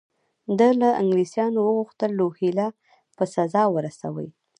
ده له انګلیسیانو وغوښتل روهیله په سزا ورسوي.